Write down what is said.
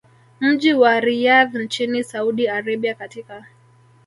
mji wa Riyadh nchini Saudi Arabia katika